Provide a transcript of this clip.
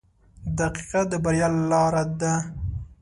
• دقیقه د بریا لار ده.